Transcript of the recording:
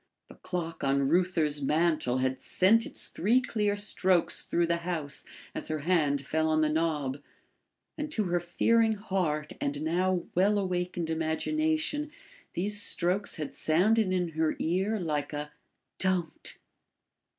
The clock on Reuther's mantel had sent its three clear strokes through the house as her hand fell on the knob, and to her fearing heart and now well awakened imagination these strokes had sounded in her ear like a "DON'T!